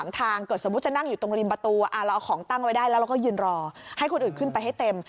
แล้วก็ยืนรอให้คนอื่นขึ้นไปให้เต็ม